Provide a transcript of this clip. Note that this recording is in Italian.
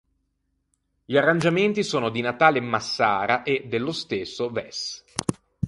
Gli arrangiamenti sono di Natale Massara e, dello stesso, Wess.